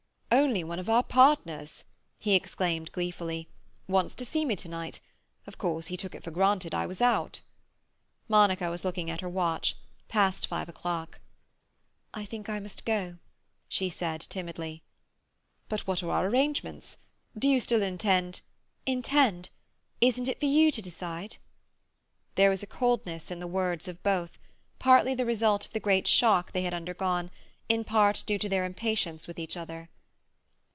"Only one of our partners!" he exclaimed gleefully. "Wants to see me to night. Of course he took it for granted I was out." Monica was looking at her watch. Past five o'clock. "I think I must go," she said timidly. "But what are our arrangements? Do you still intend—" "Intend? Isn't it for you to decide?" There was a coldness in the words of both, partly the result of the great shock they had undergone, in part due to their impatience with each other.